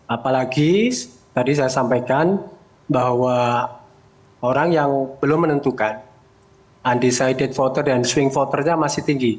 apalagi tadi saya sampaikan bahwa orang yang belum menentukan undecided voter dan swing voternya masih tinggi